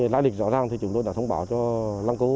lai lịch rõ ràng thì chúng tôi đã thông báo cho lăng cô